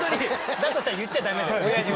だとしたら言っちゃダメだよ親父は。